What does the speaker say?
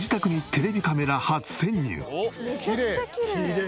めちゃくちゃきれい。